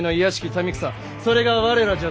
民草それが我らじゃと。